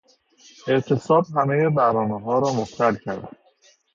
اعتصاب همهی برنامهها را مختل کرد.